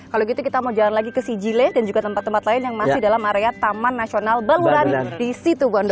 kalau gitu kita mau jalan lagi ke sijile dan juga tempat tempat lain yang masih dalam area taman nasional baluran di situ bondo